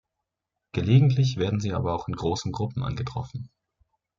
Gelegentlich werden sie aber auch in großen Gruppen angetroffen.